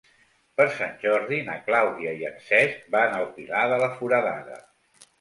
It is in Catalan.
Per Sant Jordi na Clàudia i en Cesc van al Pilar de la Foradada.